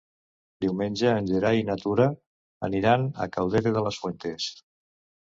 Diumenge en Gerai i na Tura aniran a Caudete de las Fuentes.